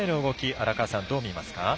荒川さんはどう見ますか。